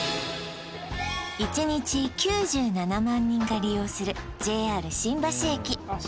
１日９７万人が利用するＪＲ新橋駅